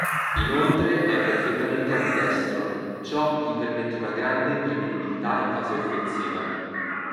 Inoltre è perfettamente ambidestro: ciò gli permette una grande imprevedibilità in fase offensiva.